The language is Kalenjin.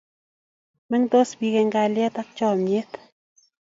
Mengtos bik eng kalyet ak chomyet